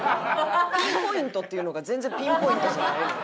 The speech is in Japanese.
ピンポイントっていうのが全然ピンポイントじゃないのよ。